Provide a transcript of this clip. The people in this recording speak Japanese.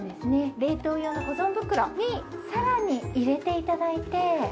冷凍用の保存袋にさらに入れて頂いて。